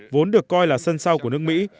vốn được coi là sân sau của nước mỹ